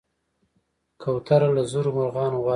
کوتره له زرو مرغانو غوره ده.